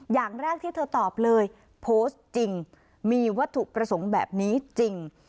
อย่างแรกที่เธอตอบเลยโพสต์จริงมีวัตถุประสงค์แบบนี้จริง